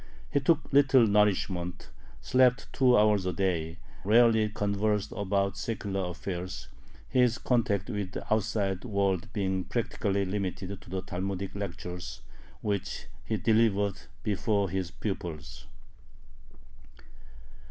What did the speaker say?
He took little nourishment, slept two hours a day, rarely conversed about secular affairs, his contact with the outside world being practically limited to the Talmudic lectures which he delivered before his pupils.